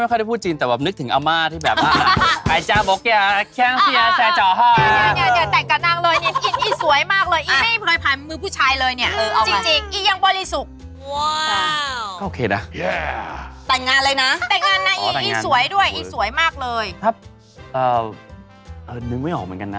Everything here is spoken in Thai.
คลุมถุงชนจับแต่งงาน